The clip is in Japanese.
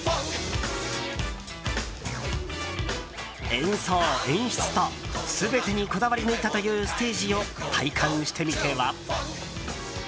演奏・演出と全てにこだわり抜いたというステージを体感してみては？